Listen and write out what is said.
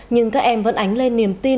nhưng các em vẫn ánh lên niềm tin